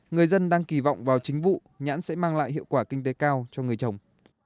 người dân đang kỳ vọng vào chính vụ nhãn sẽ mang lại hiệu quả kinh tế cao cho người trồng